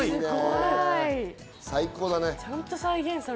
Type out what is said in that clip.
最高だね。